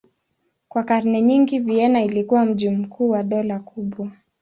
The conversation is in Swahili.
Kwa karne nyingi Vienna ilikuwa mji mkuu wa dola kubwa.